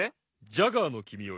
ジャガーのきみより。